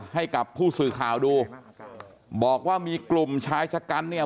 ให้กับผู้สื่อข่าวดูบอกว่ามีกลุ่มชายชะกันเนี่ย